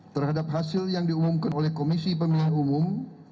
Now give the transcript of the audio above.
terhadap hasil yang diumumkan oleh komisi pemilihan umum